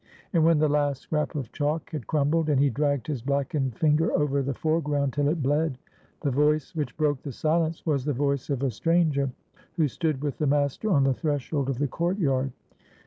And when the last scrap of chalk had crumbled, and he dragged his blackened finger over the foreground till it bled, the voice which broke the silence was the voice of a stranger, who stood with the master on the threshold of the court yard.